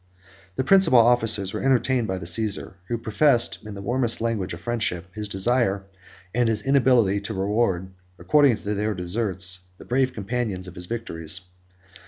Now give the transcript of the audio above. The principal officers were entertained by the Cæsar, who professed, in the warmest language of friendship, his desire and his inability to reward, according to their deserts, the brave companions of his victories.